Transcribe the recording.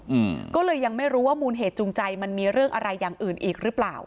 อืมก็เลยยังไม่รู้ว่ามูลเหตุจูงใจมันมีเรื่องอะไรอย่างอื่นอีกหรือเปล่า